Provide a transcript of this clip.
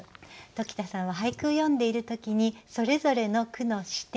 鴇田さんは俳句を読んでいる時にそれぞれの句の視点